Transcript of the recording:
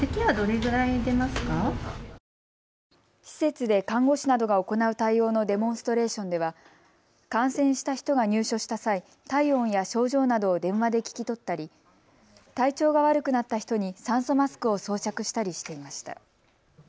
施設で看護師などが行う対応のデモンストレーションでは感染した人が入所した際、体温や症状などを電話で聞き取ったり体調が悪くなった人に酸素マスクを装着したりしていました。